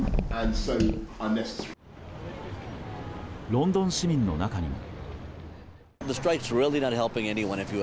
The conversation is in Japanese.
ロンドン市民の中にも。